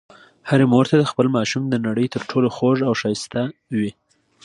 هرې مور ته خپل ماشوم د نړۍ تر ټولو خوږ او ښایسته وي.